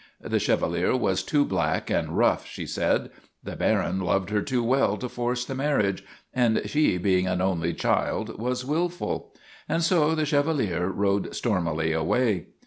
The Chevalier was too black and rough, she said. The Baron loved her too well to force the marriage and she, being an only child, was wilful. And so the Chevalier rode stormily away.